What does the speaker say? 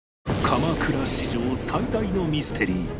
鎌倉史上最大のミステリー